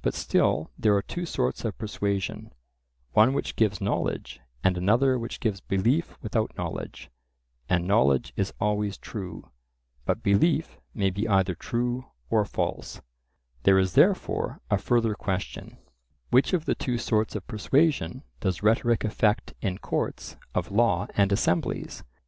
But still there are two sorts of persuasion: one which gives knowledge, and another which gives belief without knowledge; and knowledge is always true, but belief may be either true or false,—there is therefore a further question: which of the two sorts of persuasion does rhetoric effect in courts of law and assemblies?